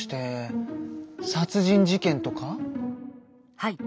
はい。